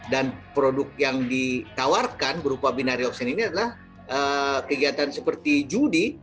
dan produk yang ditawarkan berupa binary option ini adalah kegiatan seperti judi